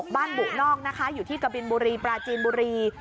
๒๑๖บ้านบุกนอกนะคะอยู่ที่กะบินบุรีปลาจีนบุรี